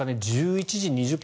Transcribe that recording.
１１時２０分。